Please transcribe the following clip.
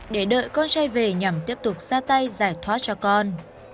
để đợi con trai về nhằm tiếp tục ra tay giải thoát cho con